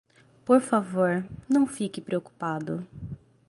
Por favor, não fique preocupado.